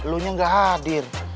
lu nya gak hadir